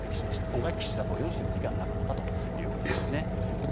今回は岸田総理の出席はなかったということです。